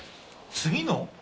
次の？